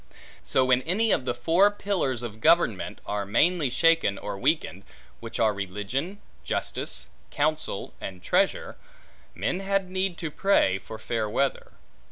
So when any of the four pillars of government, are mainly shaken, or weakened (which are religion, justice, counsel, and treasure), men had need to pray for fair weather.